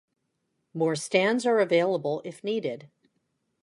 More stands are available if needed.